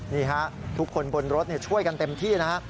นี่ฮะทุกคนบนรถช่วยกันเต็มที่นะฮะ